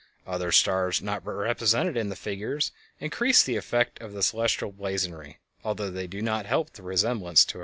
Other stars, not represented in the figures, increase the effect of a celestial blazonry, although they do not help the resemblance to a cross.